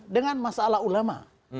dengan masalah ulama